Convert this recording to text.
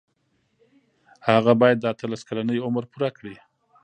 هغه باید د اتلس کلنۍ عمر پوره کړي.